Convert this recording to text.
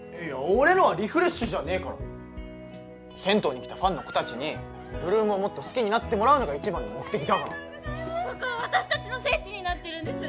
俺のはリフレッシュじゃねえから銭湯に来たファンの子達に ８ＬＯＯＭ をもっと好きになってもらうのが一番の目的だからここ私達の聖地になってるんです